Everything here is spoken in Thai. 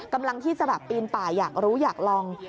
กำลังที่จะแบบปีนป่าอยากรู้อยากลอง